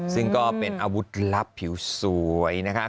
ซึ่งก็เป็นอาวุธลับผิวสวยนะคะ